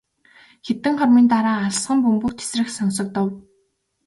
Хэдэн хормын дараа алсхан бөмбөг тэсрэх сонсогдов.